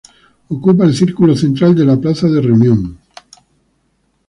Ocupa el círculo central de la plaza de le Reunión.